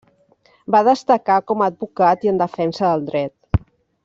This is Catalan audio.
Va destacar com a advocat i en defensa del dret.